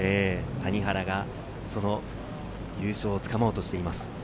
谷原がその優勝をつかもうとしています。